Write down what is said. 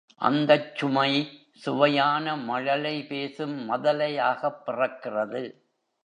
அந்தச் சுமை, சுவையான மழலை பேசும் மதலையாகப் பிறக்கிறது.